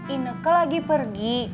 ine ke lagi pergi